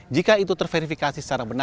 jika itu terverifikasi